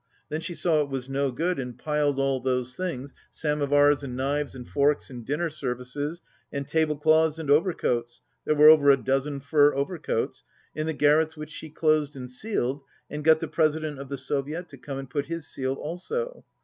Then she saw it was no good, and piled all those things, samovars and knives and forks and dinner services and table cloths and overcoats (there were over a dozen fur overcoats) in the garrets which she closed and sealed, and got the president of the Soviet to come and put his seal also.